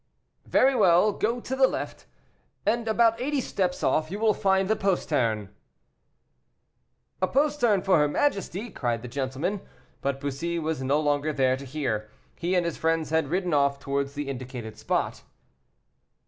"Very well, go to the left, and about eighty steps off you will find the postern." "A postern for her majesty!" cried the gentleman. But Bussy was no longer there to hear, he and his friends had ridden off towards the indicated spot.